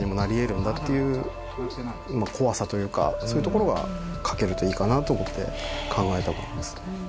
そういうところが書けるといいかなと思って考えたことですね。